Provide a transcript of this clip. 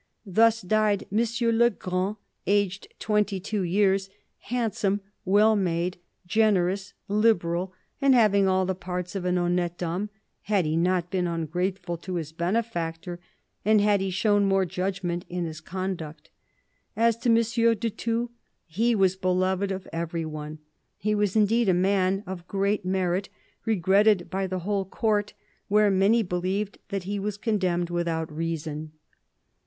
" Thus died M. le Grand, aged twenty two years, handsome, well made, generous, liberal, and having all the parts of an honnete homme, had he not been ungrateful to his benefactor, and had he shown more judgment in his conduct. As to M. de Thou, he was beloved of every one : he was indeed a man of great merit, regretted by the whole Court, where many believed that he was condemned without reason."